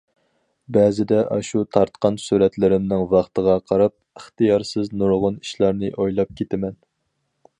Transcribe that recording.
بەزىدە ئاشۇ تارتقان سۈرەتلىرىمنىڭ ۋاقتىغا قاراپ ئىختىيارسىز نۇرغۇن ئىشلارنى ئويلاپ كېتىمەن.